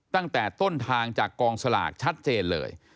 ตั้งแต่ต้นทางจากกองสลากชัดเจนเลย